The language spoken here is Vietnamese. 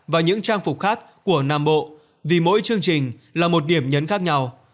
và những trang phục khác của nam bộ vì mỗi chương trình là một điểm nhấn khác nhau